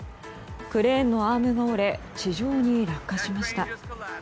クレーンのアームが折れ地上に落下しました。